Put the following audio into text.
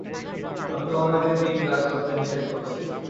আমি তোমাদেরকে তিন কাজ করতে নিষেধ করছি।